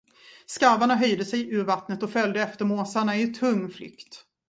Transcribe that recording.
Skarvarna höjde sig ur vattnet och följde efter måsarna i tung flykt.